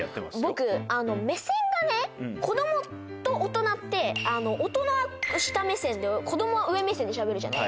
僕あの目線がね子供と大人って大人は下目線で子供は上目線でしゃべるじゃないですか。